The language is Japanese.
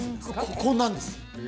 こんなんです